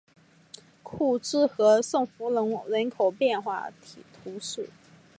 库兹和圣弗龙人口变化图示